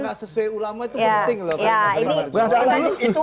nanti kita dengarkan orang yang tidak sesuai ulama itu penting